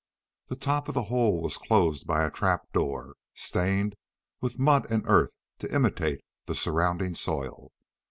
The top of the hole was closed by a trap door, stained with mud and earth to imitate the surrounding soil.